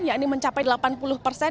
ya ini mencapai delapan puluh persen